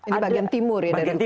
ini bagian timur ya dari timur